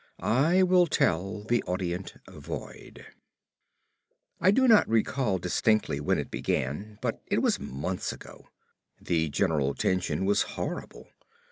.. I will tell the audient void .... I do not recall distinctly when it began, but it was months ago. The general tension was horrible.